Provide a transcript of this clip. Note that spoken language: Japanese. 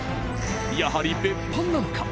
やはり別班なのか？